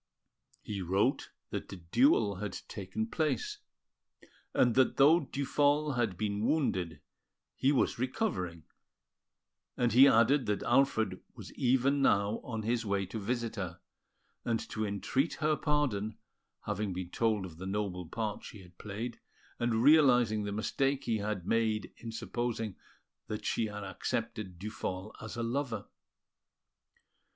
He wrote that the duel had taken place, and that though Duphol had been wounded, he was recovering; and he added that Alfred was even now on his way to visit her, and to entreat her pardon, having been told of the noble part she had played, and realising the mistake he had made in supposing that she had accepted Duphol as a lover.